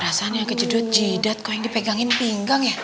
rasanya kejudut jidat kok yang dipegangin pinggang ya